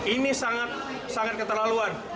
ini sangat sangat keterlaluan